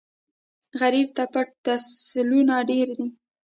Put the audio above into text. غریب ته پټ تسلونه ډېر دي